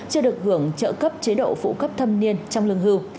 chưa được hưởng trợ cấp chế độ phụ cấp thâm niên trong lương hưu